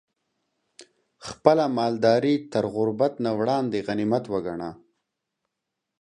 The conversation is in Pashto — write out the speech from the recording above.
خپله مالداري تر غربت نه وړاندې غنيمت وګڼه